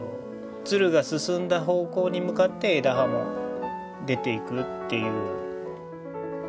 蔓が進んだ方向に向かって枝葉も出ていくっていう。